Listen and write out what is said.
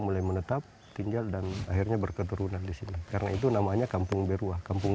mulai menetap tinggal dan akhirnya berketerunan di sini karena itu namanya kampung beruah kampung